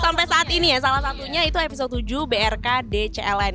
sampai saat ini ya salah satunya itu episode tujuh brkdcln